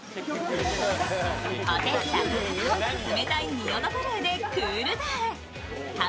ほてった体を冷たい仁淀ブルーでクールダウン。